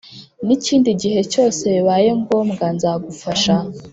n ikindi gihe cyose bibaye ngombwa nzagufasha